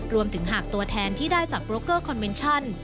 รวมถึงหากตัวแทนที่ได้จากโปรเกอร์คอนเมนชั่น